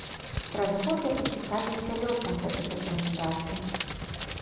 Праз год я пацікавіўся лёсам гэтых рэкамендацый.